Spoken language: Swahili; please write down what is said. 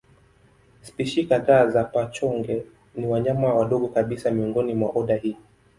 Spishi kadhaa za paa-chonge ni wanyama wadogo kabisa miongoni mwa oda hii.